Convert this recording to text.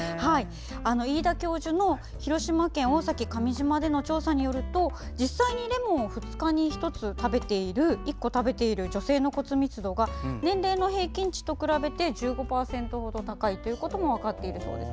飯田教授の広島県大崎上島での調査によると実際にレモンを２日に１つ食べている女性の骨密度が年齢の平均値と比べて１５％ほど高いということも分かっているそうです。